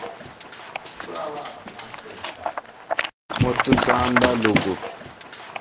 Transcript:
مہ توسان دا لوکٹ۔